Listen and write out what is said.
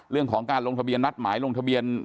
เรื่องของการลงทะเบียนนัดหมายลงทะเบียน